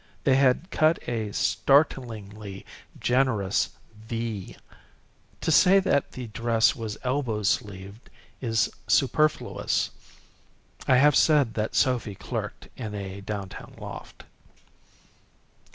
They had cut a startlingly generous V. To say that the dress was elbow sleeved is superfluous. I have said that Sophy clerked in a downtown loft.